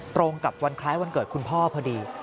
ตรงกับวันคล้ายวันเกิดคุณพ่อพอดี